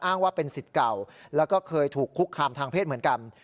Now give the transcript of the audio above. ว่าเป็นสิทธิ์เก่าแล้วก็เคยถูกคุกคามทางเพศเหมือนกัน